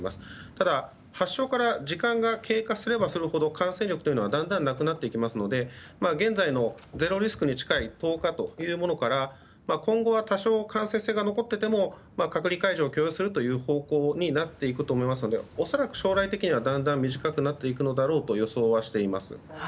ただ、発症から時間が経過すればするほど感染力は減少していきますので現在のゼロリスクに近い１０日というものから今後は多少、感染性が残っていても隔離解除を許容する方向になっていくと思いますので恐らく将来的には、だんだん短くなっていくのだろうと予想はしています。